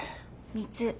３つ。